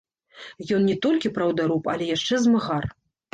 Ён не толькі праўдаруб, але яшчэ змагар.